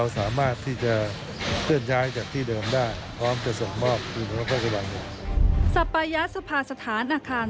สรรพยาสภาสถานอาคาร